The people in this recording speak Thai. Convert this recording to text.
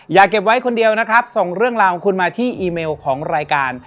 อย่าเก็บไว้คนเดียวนะครับส่งเรื่องราวของคุณมาที่อีเมลของรายการ